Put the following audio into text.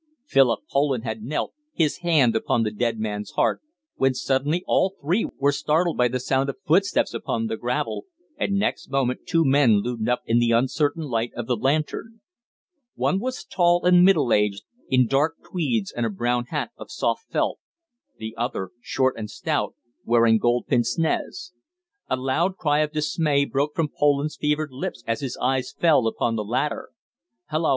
Philip Poland had knelt, his hand upon the dead man's heart, when suddenly all three were startled by the sound of footsteps upon the gravel, and next moment two men loomed up into the uncertain light of the lantern. One was tall and middle aged, in dark tweeds and a brown hat of soft felt; the other, short and stout, wearing gold pince nez. A loud cry of dismay broke from Poland's fevered lips as his eyes fell upon the latter. "Hallo!